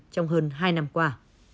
trong hơn hai năm qua